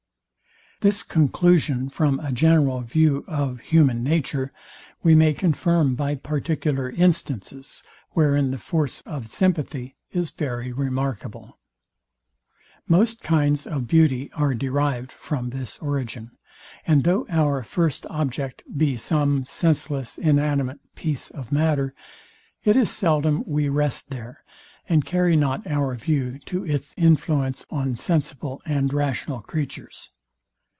This conclusion from a general view of human nature, we may confirm by particular instances, wherein the force of sympathy is very remarkable. Most kinds of beauty are derived from this origin; and though our first object be some senseless inanimate piece of matter, it is seldom we rest there, and carry not our view to its influence on sensible and rational creatures.